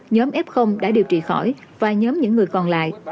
nhóm f đã điều trị khỏi và nhóm những người còn lại